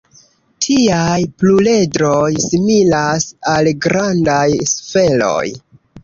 Tiaj pluredroj similas al grandaj sferoj.